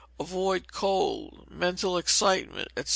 Avoid cold, mental excitement, &c.